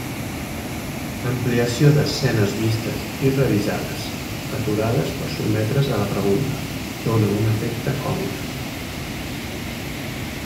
L'ampliació d'escenes vistes i revisades, aturades per sotmetre's a la pregunta, dóna un efecte còmic.